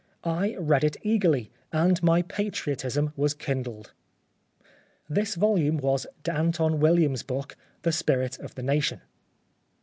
I read it eagerly, and my patriotism was kindled." This volume was D'Alton Williams' book, " The Spirit of the Nation."